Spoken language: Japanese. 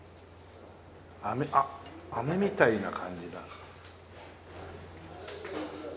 あっあめみたいな感じだ。